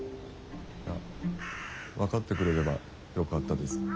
いや分かってくれればよかったです。